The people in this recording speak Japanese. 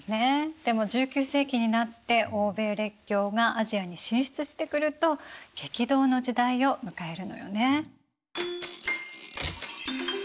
でも１９世紀になって欧米列強がアジアに進出してくると激動の時代を迎えるのよね。